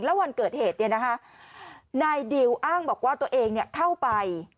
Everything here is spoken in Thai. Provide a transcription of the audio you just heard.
แล้ววันเกิดเหตุเนี่ยนะคะนายดิวอ้างบอกว่าตัวเองเนี่ยเข้าไป